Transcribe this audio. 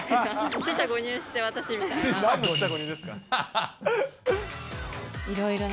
四捨五入して私みたいな。